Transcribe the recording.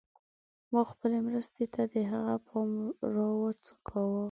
ما خپلې مرستې ته د هغه پام راوڅکاوه.